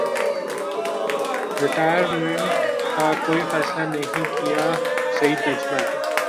retire minute کا کوئی فیصلہ نہیں کیاسعید اجمل